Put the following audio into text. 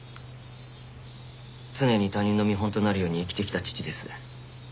常に他人の見本となるように生きてきた父です。